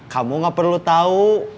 kamu gak perlu tahu